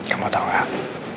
kamu tau gak